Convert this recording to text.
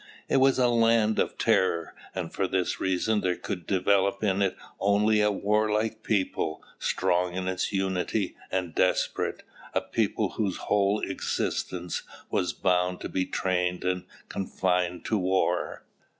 It was a land of terror, and for this reason there could develop in it only a warlike people, strong in its unity and desperate, a people whose whole existence was bound to be trained and confined to war."